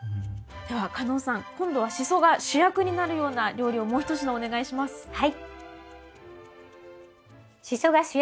ではカノウさん今度はシソが主役になるような料理をもう一品お願いします。